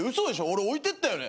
俺置いてったよね。